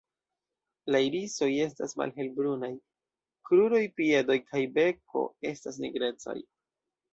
La irisoj estas malhelbrunaj; kruroj, piedoj kaj beko estas nigrecaj.